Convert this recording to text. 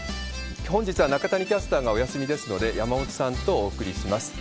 本日は中谷キャスターがお休みですので、山本さんとお送りします。